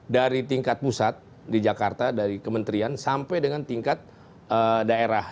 dari tingkat pusat di jakarta dari kementerian sampai dengan tingkat daerah